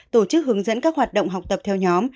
tổ chức hướng dẫn các hoạt động học tập theo nhóm